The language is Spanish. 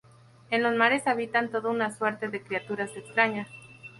En los mares habitan toda una suerte de criaturas extrañas.